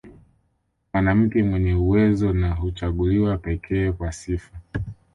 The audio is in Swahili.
Mwanamke mwenye uwezo na huchaguliwa pekee kwa sifa